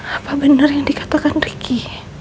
apa benar yang dikatakan ricky